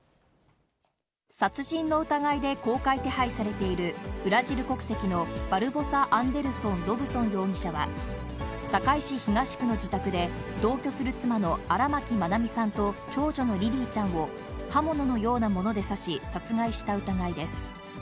殺人の疑いで公開手配されているブラジル国籍のバルボサ・アンデルソン・ロブソン容疑者は、堺市東区の自宅で、同居する妻の荒牧愛美さんと長女のリリィちゃんを、刃物のようなもので刺し、殺害した疑いです。